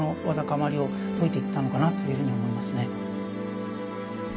わだかまりをといていったのかなというふうに思いますね。